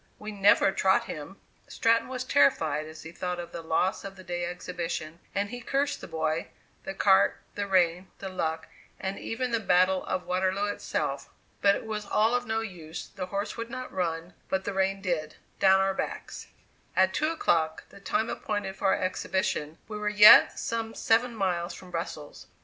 We never trot him." Stratton was terrified as he thought of the loss of the day exhibition; and he cursed the boy, the cart, the rain, the luck, and even the battle of Waterloo itself. But it was all of no use, the horse would not run, but the rain did down our backs. At two o'clock, the time appointed for our exhibition, we were yet some seven miles from Brussels.